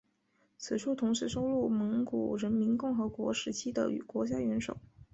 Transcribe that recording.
此处同时收录蒙古人民共和国时期的国家元首。